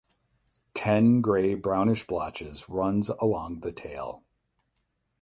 Ten grey brownish blotches runs along the tail.